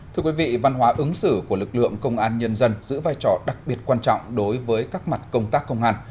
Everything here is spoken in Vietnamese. thưa quý vị văn hóa ứng xử của lực lượng công an nhân dân giữ vai trò đặc biệt quan trọng đối với các mặt công tác công an